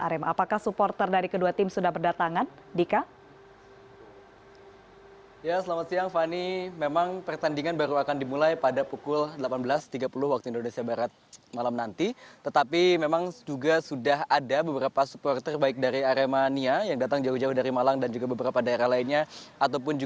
apakah supporter dari kedua tim sudah berdatangan